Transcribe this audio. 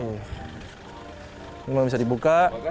ini mau bisa dibuka